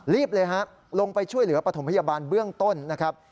เลยฮะลงไปช่วยเหลือปฐมพยาบาลเบื้องต้นนะครับ